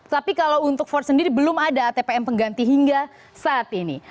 tapi kalau untuk form sendiri belum ada atpm pengganti hingga saat ini